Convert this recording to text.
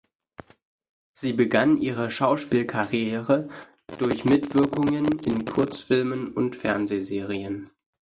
Sie begann ihre Schauspielkarriere durch Mitwirkungen in Kurzfilmen und Fernsehserien.